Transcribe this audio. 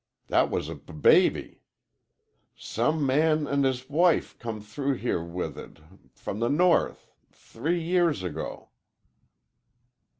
That was a b baby. Some man an' his w wife come through here w with it from the n north th three year ago."